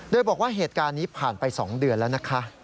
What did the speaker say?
โดยบอกว่าเหตุการณ์นี้ผ่านไป๒เดือนแล้วนะคะ